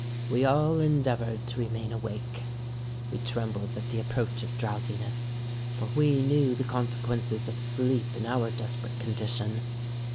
We all endeavoured to remain awake: we trembled at the approach of drowsiness—for we knew the consequences of sleep in our desperate condition.